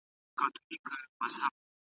که چاپیریال پاک وي، ناروغۍ به لږ وي.